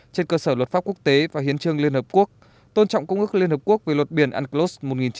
trên cơ sở luật pháp quốc tế và hiến trương liên hợp quốc tôn trọng cung ước liên hợp quốc về luật biển unclos một nghìn chín trăm tám mươi hai